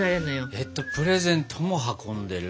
えっとプレゼントも運んでる？